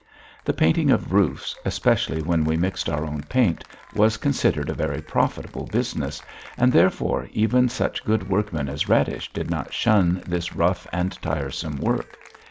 The painting of roofs, especially when we mixed our own paint, was considered a very profitable business, and, therefore, even such good workmen as Radish did not shun this rough and tiresome work.